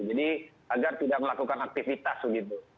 jadi agar tidak melakukan aktivitas begitu